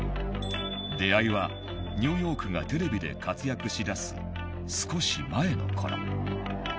出会いはニューヨークがテレビで活躍しだす少し前の頃。